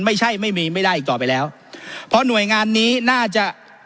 ไม่มีไม่ได้อีกต่อไปแล้วเพราะหน่วยงานนี้น่าจะ